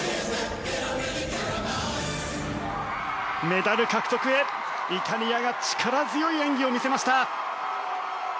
メダル獲得へ、イタリアが力強い演技を見せました。